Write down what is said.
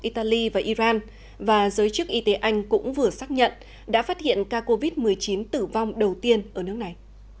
italy và iran và giới chức y tế anh cũng vừa xác nhận đã phát hiện ca covid một mươi chín tử vong đầu tiên ở nước này